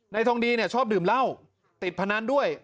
นายทองดีชอบดื่มเหล้าติดพนันด้วย